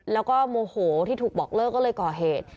แล้วก็โมโหที่ถูกบอกเลิกก็เลยก่อเหตุ